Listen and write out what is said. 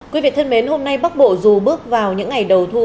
quý vị thân mến hôm nay bắc bộ dù bước vào những ngày đầu thu